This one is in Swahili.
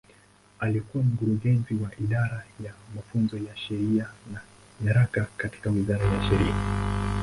Alikuwa Mkurugenzi wa Idara ya Mafunzo ya Sheria na Nyaraka katika Wizara ya Sheria.